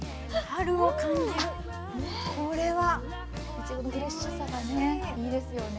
いちごのフレッシュさがいいですよね。